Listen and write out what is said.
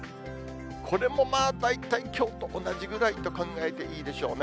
これもまあ大体きょうと同じぐらいと考えていいでしょうね。